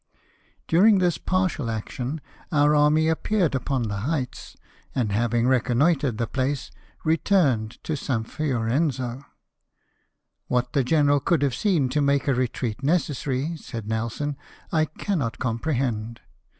During this partial action our army appeared upon the heights ; and having reconnoitred the place, returiled to St. J^iorenzo. " What the general could have seen to make a retreat necessary," said Nelson, " I cannot comprehend.